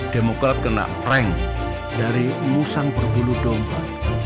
demokrat kena prank dari musang berbulu domba